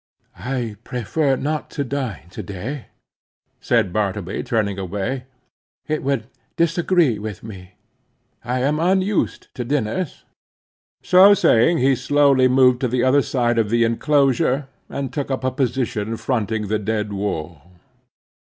"I prefer not to dine to day," said Bartleby, turning away. "It would disagree with me; I am unused to dinners." So saying he slowly moved to the other side of the inclosure, and took up a position fronting the dead wall.